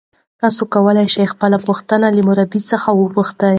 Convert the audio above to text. تاسي کولای شئ خپله پوښتنه له مربی څخه وپوښتئ.